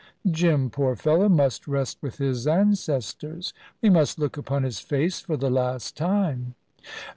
Jim, poor fellow, must rest with his ancestors. We must look upon his face for the last time."